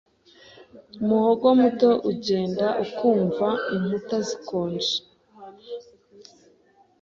umuhogo muto ugenda ukumva inkuta zikonje